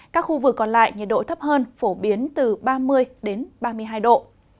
các khu vực còn lại nhiệt độ thấp hơn phổ biến từ ba mươi đến ba mươi hai độ